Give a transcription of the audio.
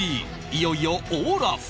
いよいよオーラス。